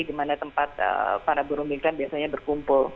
dimana tempat para buru migran biasanya berkumpul